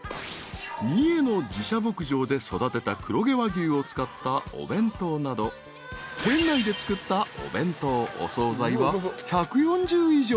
［三重の自社牧場で育てた黒毛和牛を使ったお弁当など店内で作ったお弁当お総菜は１４０以上］